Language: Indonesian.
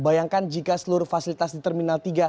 bayangkan jika seluruh fasilitas di terminal tiga